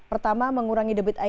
pertama mengurangi debit air